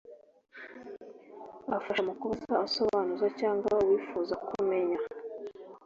afasha mu kubaza usobanuza cyangwa wifuza kumenya